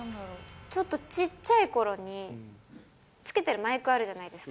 ちょっとちっちゃいころに、つけてるマイクあるじゃないですか。